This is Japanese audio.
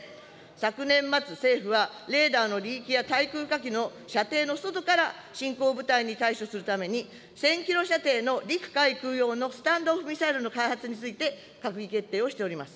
昨年末、政府はレーダーの履域や対空火器の射程の外から進行部隊に対処するために、１０００キロ射程の陸海空用のスタンドオフミサイルの開発について閣議決定をしております。